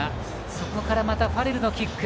そこからまたファレルのキック。